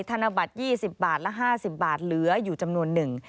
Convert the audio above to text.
ธนบัตร๒๐บาทและ๕๐บาทเหลืออยู่จำนวนหนึ่ง